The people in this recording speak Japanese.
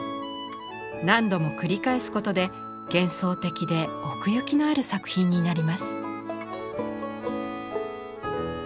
何度も繰り返すことで幻想的で奥行きのある作品になります。